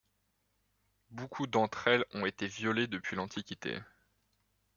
Beaucoup d'entre elles ont été violées depuis l'Antiquité.